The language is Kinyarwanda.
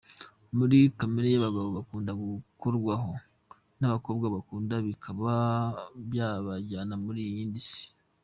Muri kamere y’abagabo bakunda gukorwaho n’abakobwa bakunda bikaba byabajyana mu yindi si.